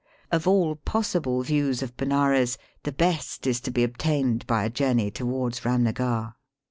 Of aU possible views of Benares, the best is to be obtained by a journey towards Eamnagar.